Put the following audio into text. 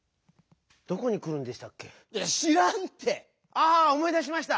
あおもい出しました。